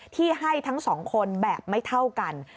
ที่ให้ทั้งสองคนแบบไม่เท่ากัน